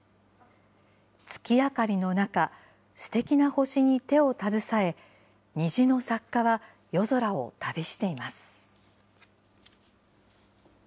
月明かりの中、すてきな星に手を携え、虹の作家は夜空を旅しています。